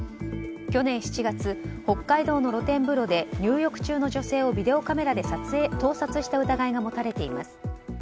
去年７月、北海道の露天風呂で入浴中の女性をビデオカメラで撮影盗撮した疑いが持たれています。